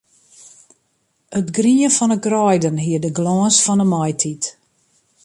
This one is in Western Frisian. It grien fan 'e greiden hie de glâns fan 'e maitiid.